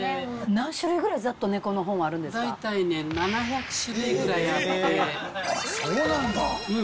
何種類ぐらい、ざっと猫の本あるん大体ね、７００種類ぐらいあそうなんだ。